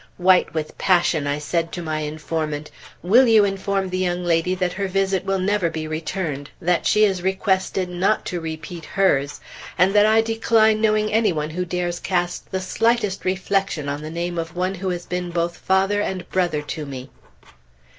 White with passion I said to my informant, "Will you inform the young lady that her visit will never be returned, that she is requested not to repeat hers, and that I decline knowing any one who dares cast the slightest reflection on the name of one who has been both father and brother to me!"